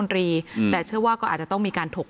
และการแสดงสมบัติของแคนดิเดตนายกนะครับ